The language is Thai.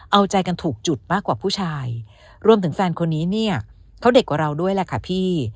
เอาใจกันถูกจุดมากกว่าผู้ชายรวมถึงแฟนคนนี้เนี่ยเขาเด็กกว่าเราด้วยแหละค่ะพี่